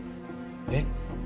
えっ？